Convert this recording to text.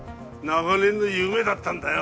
長年の夢だったんだよ